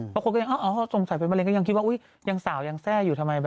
บางคนก็ยังสงสัยเป็นมะเร็งก็ยังคิดว่าอุ๊ยยังสาวยังแทร่อยู่ทำไม